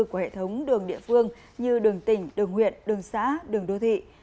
của hệ thống đường địa phương như đường tỉnh đường huyện đường xã đường đô thị